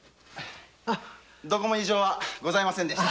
どこにも異常はございませんでした。